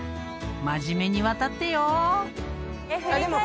［真面目に渡ってよ］